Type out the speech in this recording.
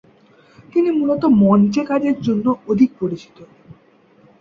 তিনি মূলত মঞ্চে কাজের জন্য অধিক পরিচিত।